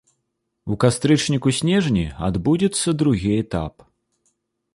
У кастрычніку-снежні адбудзецца другі этап.